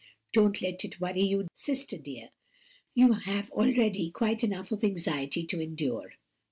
Don't let it worry you, sister dear. You have already quite enough of anxiety to endure."